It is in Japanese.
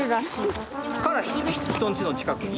から人んちの近くに？